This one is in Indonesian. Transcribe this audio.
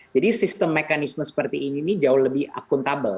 jadi sistem mekanisme seperti ini ini jauh lebih akuntabel